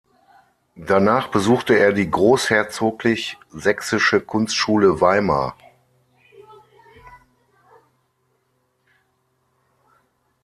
Danach besuchte er die Großherzoglich-Sächsische Kunstschule Weimar.